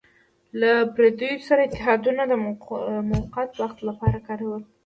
له پردیو سره اتحادونه د موقت وخت لپاره کار ورکوي.